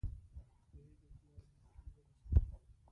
زه پوهېږم دواړه متون ولې سخت دي.